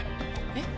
えっ？